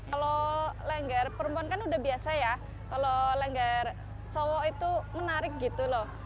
kalau lengger perempuan kan udah biasa ya kalau lengger cowo itu menarik gitu loh